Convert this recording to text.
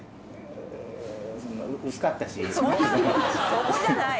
そこじゃない。